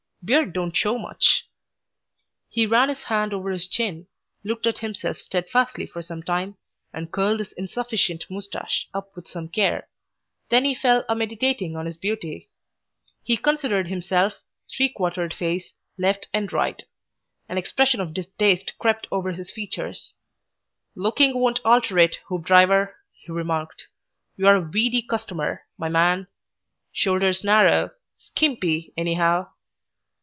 Beard don't show much." He ran his hand over his chin, looked at himself steadfastly for some time, and curled his insufficient moustache up with some care. Then he fell a meditating on his beauty. He considered himself, three quarter face, left and right. An expression of distaste crept over his features. "Looking won't alter it, Hoopdriver," he remarked. "You're a weedy customer, my man. Shoulders narrow. Skimpy, anyhow."